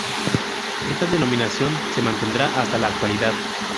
Esta dominación se mantendrá hasta la actualidad.